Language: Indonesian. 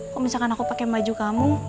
kok misalkan aku pake baju kamu